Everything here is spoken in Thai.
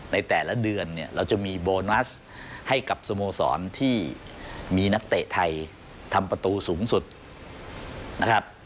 ในแต่ละเดือนเนี่ยเราจะมีโบนัสให้กับสโมสรที่มีนักเตะไทยทำประตูสูงสุดนะครับ